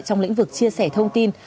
trong lĩnh vực chia sẻ thông tin